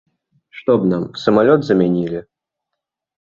Што б нам, самалёт замянілі?